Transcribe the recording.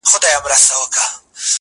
تر قیامته به یې خپل وهل په زړه وي،،!